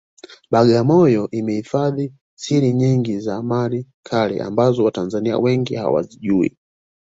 Bagamoyo imehifadhi siri nyingi za mali kale ambazo watanzania wengi hawazijui